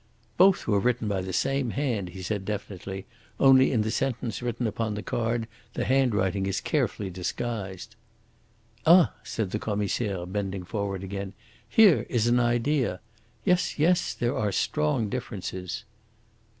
"Both were written by the same hand," he said definitely; "only in the sentence written upon the card the handwriting is carefully disguised." "Ah!" said the Commissaire, bending forward again. "Here is an idea! Yes, yes, there are strong differences."